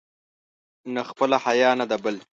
نه خپله حیا، نه د بل.